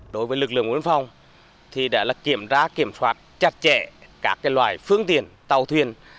đối với lực lượng biên phòng thì đã kiểm soát chặt chẽ các loại phương tiện tàu thuyền